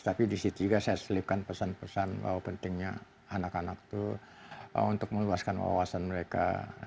tapi di situ juga saya selipkan pesan pesan bahwa pentingnya anak anak itu untuk meluaskan wawasan mereka